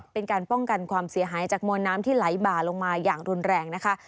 เป็นการป้องกันความเสียหายจากมวลน้ำที่ไหลบ่าลงมาอย่างรุนแรงนะคะ